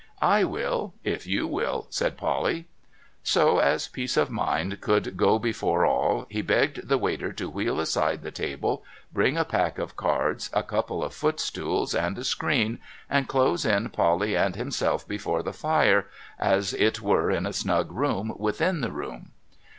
' I will, if you will,' said Polly. So, as peace of mind should go before all, he begged the waiter to wheel aside the table, bring a pack of cards, a couple of footstools, and a screen, and close in Polly and himself before the fire, as it v/ere in a snug room within the room.